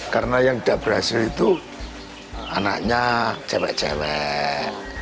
karena yang tidak berhasil itu anaknya cewek cewek